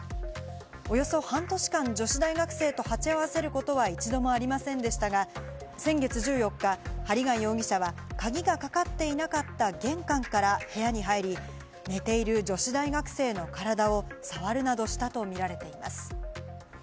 およそ半年間、女子大学生と鉢合わせることは一度もありませんでしたが、先月１４日、針谷容疑者は鍵がかかっていなかった玄関から部屋に入り、寝ている女子大学生の体をさわるなどしたとみられています。